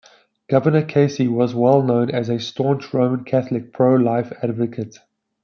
Governor Casey was well known as a staunch Roman Catholic pro-life advocate.